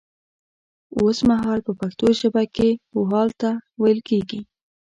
وسمهال په پښتو ژبه کې و حال ته ويل کيږي